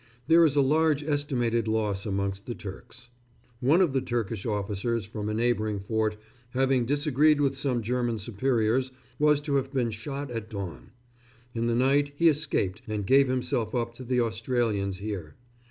There is a large estimated loss amongst the Turks.... One of the Turkish officers from a neighbouring fort having disagreed with some German superiors, was to have been shot at dawn. In the night he escaped and gave himself up to the Australians here....